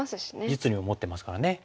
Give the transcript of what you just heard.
実利も持ってますからね。